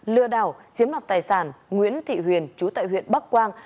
lừa đảo chiếm đoạt tài sản nguyễn thị huyền chú tại huyện bắc quang